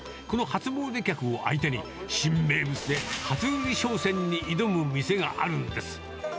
この初詣客を相手に、新名物で初売り商戦に挑む店があるんです。